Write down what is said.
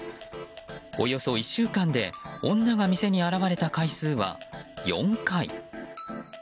およそ１週間で女が店に現れた回数は４回。